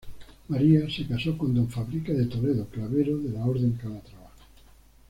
María se casó con don Fadrique de Toledo, clavero de la Orden de Calatrava.